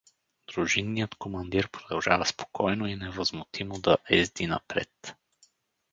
Дружинният командир продължава спокойно и невъзмутимо да езди напред.